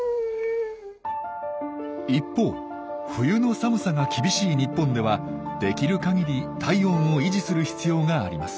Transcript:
一方冬の寒さが厳しい日本ではできる限り体温を維持する必要があります。